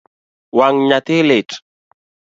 Wang’ nyathi lit?